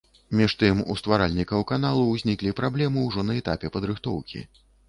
Між тым, у стваральнікаў каналу ўзніклі праблемы ўжо на этапе падрыхтоўкі.